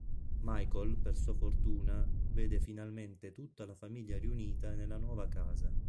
Michael, per sua fortuna, vede finalmente tutta la famiglia riunita nella nuova casa.